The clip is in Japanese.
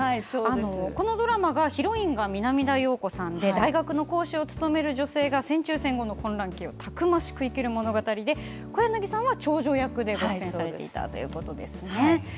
このドラマがヒロインが南田洋子さんで大学の講師を務めて戦中戦後の混乱期をたくましく生きる物語で小柳さんは長女役でご出演されていました。